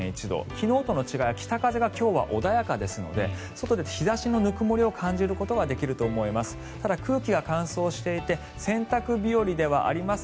昨日との違いは北風が今日は穏やかですので外に出て日差しのぬくもりを感じることができると思います。